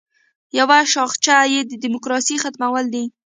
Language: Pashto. یوه شاخصه یې د دیموکراسۍ ختمول دي.